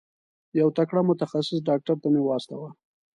یو تکړه متخصص ډاکټر ته مي واستوه.